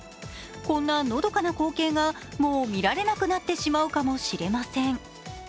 こんなのどかな光景が、もう見られなくなってしまうかもしれません。